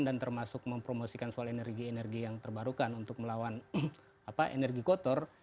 dan termasuk mempromosikan soal energi energi yang terbarukan untuk melawan energi kotor